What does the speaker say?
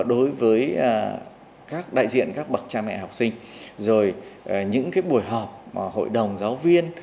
đối với các đại diện các bậc cha mẹ học sinh rồi những buổi họp hội đồng giáo viên